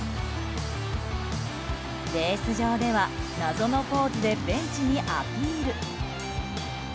ベース上では謎のポーズでベンチにアピール。